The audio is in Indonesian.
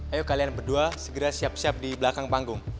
ayo kalian berdua segera siap siap di belakang panggung